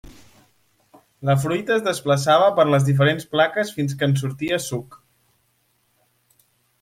La fruita es desplaçava per les diferents plaques fins que en sortia suc.